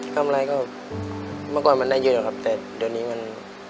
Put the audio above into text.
กำไรก็เมื่อก่อนมันได้เยอะครับแต่เดี๋ยวนี้มัน